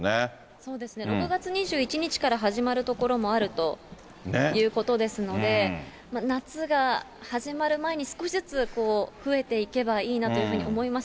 そうですね、６月２１日から始まるところもあるということですので、夏が始まる前に、少しずつ増えていけばいいなというふうに思います。